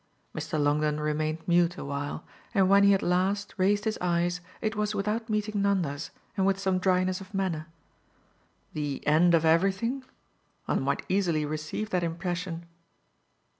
Mr. Longdon remained mute a while, and when he at last, raised his eyes it was without meeting Nanda's and with some dryness of manner. "The end of everything? One might easily receive that impression."